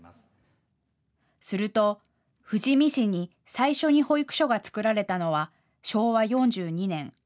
すると富士見市に最初に保育所が作られたのは昭和４２年。